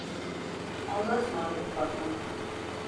Allahaısmarladık Fatma!